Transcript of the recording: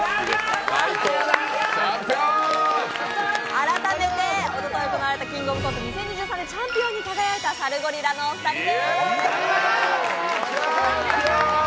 改めておととい行われた「キングオブコント２０２３」でチャンピオンに輝いたサルゴリラのお二人です！